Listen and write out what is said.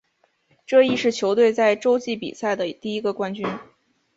这亦是球队在洲际比赛的第一个冠军。